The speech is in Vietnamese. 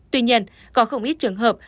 tuy nhiên có không ít trường hợp